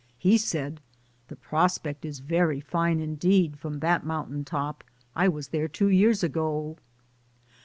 He said, "The prospect is very fine, indeed, from that mountain top. I was there two years ago."